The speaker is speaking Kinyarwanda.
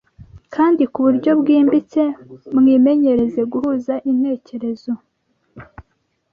kandi ku buryo bwimbitse, mwimenyereza guhuza intekerezo